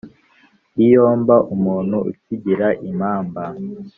iyo mba umuntu ukigira impamba